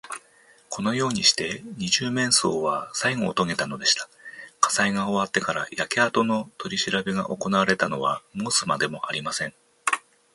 このようにして、二十面相はさいごをとげたのでした。火災が終わってから、焼けあとのとりしらべがおこなわれたのは申すまでもありません。